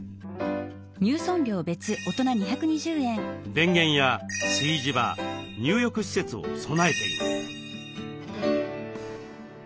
電源や炊事場入浴施設を備えています。